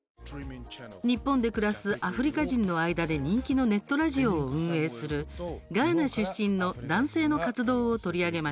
日本で暮らすアフリカ人の間で人気のネットラジオを運営するガーナ出身の男性の活動を取り上げました。